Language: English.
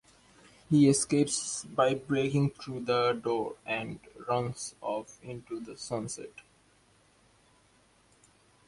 He escapes by breaking through a door and runs off into the sunset.